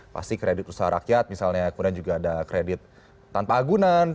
pasti kredit usaha rakyat misalnya kemudian juga ada kredit tanpa agunan